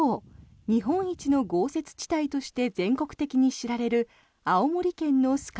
日本一の豪雪地帯として全国的に知られる青森県の酸ケ